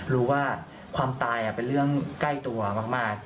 รู้ว่าความตายเป็นเรื่องใกล้ตัวมาก